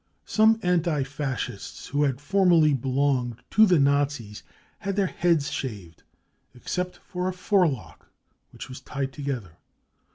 " Some anti Fascists who had formerly belonged to the Nazis had their heads shaved except for a forelock which was tied together.